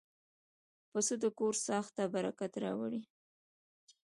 پسه د کور ساحت ته برکت راوړي.